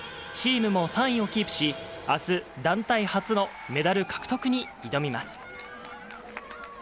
チームも３位をキープし、あす、団体初のメダル獲得に挑みます。